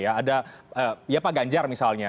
ada ya pak ganjar misalnya